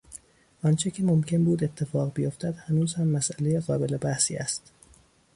آنچه که ممکن بود اتفاق بیافتد هنوز هم مسئلهی قابل بحثی است.